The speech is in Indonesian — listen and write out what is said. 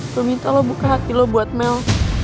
lo minta lo buka hati lo buat mel